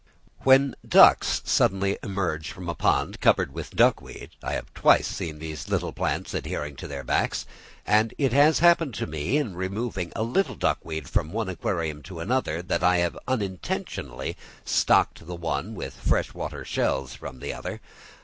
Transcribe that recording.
When ducks suddenly emerge from a pond covered with duck weed, I have twice seen these little plants adhering to their backs; and it has happened to me, in removing a little duck weed from one aquarium to another, that I have unintentionally stocked the one with fresh water shells from the other.